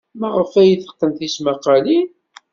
Maɣef ay teqqen tismaqqalin?